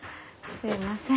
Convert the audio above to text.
すみません。